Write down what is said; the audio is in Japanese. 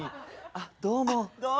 あっどうも。